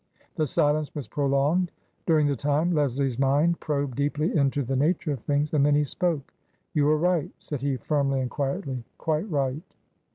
The silence was prolonged. During the time Leslie's mind probed deeply into the nature of things. And then he spoke. " You are right," said he, firmly and quietly, " quite right."